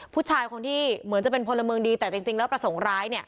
ผู้ชายคนที่เหมือนจะเป็นพลเมืองดีแต่จริงแล้วประสงค์ร้าย